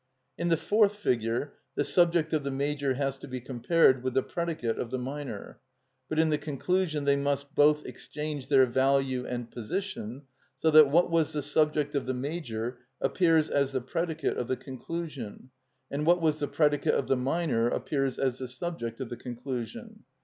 In the fourth figure the subject of the major has to be compared with the predicate of the minor; but in the conclusion they must both exchange their value and position, so that what was the subject of the major appears as the predicate of the conclusion, and what was the predicate of the minor appears as the subject of the conclusion.